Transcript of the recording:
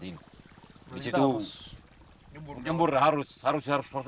disitu harus lihat